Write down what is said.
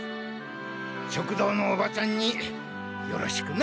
食堂のおばちゃんによろしくな！